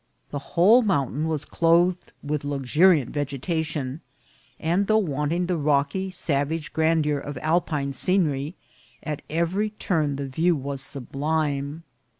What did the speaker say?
The whole mountain was clothed with luxuriant vegetation, and though wanting the rocky, savage grandeur of Alpine scenery, at every turn the view was sublime.